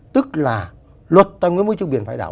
tức là luật tài nguyên môi trường biển phải đảo